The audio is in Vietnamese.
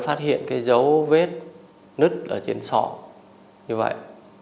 thấy hiện dấu vết nứt trên sọ như vậy